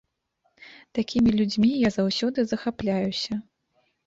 Такімі людзьмі я заўсёды захапляюся.